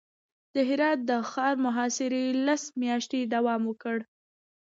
د هرات د ښار محاصرې لس میاشتې دوام وکړ.